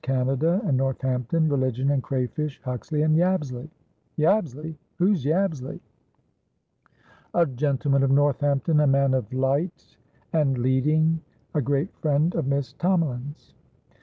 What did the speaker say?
Canada and Northampton, religion and crayfish, Huxley andYabsley." "Yabsley? Who's Yabsley?" "A gentleman of Northampton, a man of light and leading, a great friend of Miss Tomalin's."